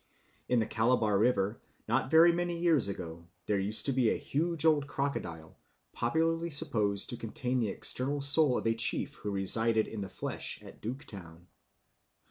In the Calabar River not very many years ago there used to be a huge old crocodile, popularly supposed to contain the external soul of a chief who resided in the flesh at Duke Town.